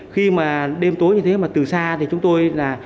khi mà đêm tối như thế mà từ xa thì chúng tôi là